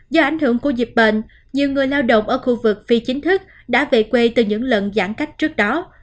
do ảnh hưởng của dịch bệnh nhiều người lao động ở khu vực phi chính thức đã về quê từ những lần giãn cách trước đó